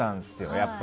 やっぱり。